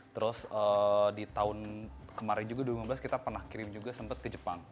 terus di tahun kemarin juga dua ribu lima belas kita pernah kirim juga sempat ke jepang